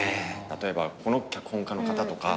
例えばこの脚本家の方とか」とか。